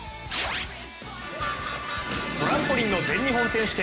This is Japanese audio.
トランポリンの全日本選手権。